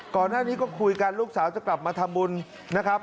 ก่อนหน้านี้ก็คุยกันลูกสาวจะกลับมาทำบุญนะครับ